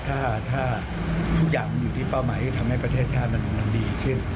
ถ้าทุกอย่างมันอยู่ที่เป้าหมายที่ทำให้ประเทศชาติมันดีขึ้น